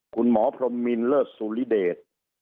คุณหมอพรมมินเลิศสุริเดช